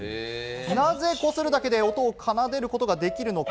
なぜ擦るだけで音を奏でることができるのか？